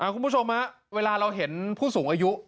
คุณผู้ชมเวลาเราเห็นผู้สูงอายุ